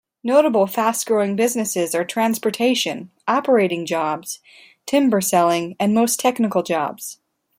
Notable fast growing businesses are transportation, operating shops, timber selling, and most technical jobs.